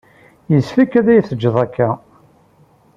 Yessefk ad t-tgeḍ akka.